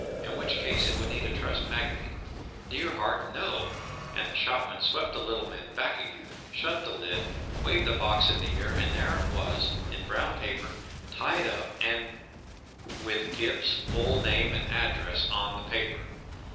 In which case it would need a Trust Magnate ” “ Dear heart! No / ” and the shopman swept the little men back again, shut the lid, waved the box in the air, and there it was, in brown paper, tied up and— with Gip's full name and address on the paper